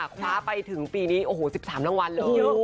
คว้าไปถึงปีนี้โอ้โห๑๓รางวัลเลย